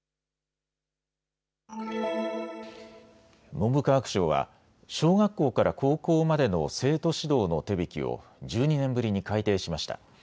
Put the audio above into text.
文部科学省は小学校から高校までの生徒指導の手引を１２年ぶりに改訂しました。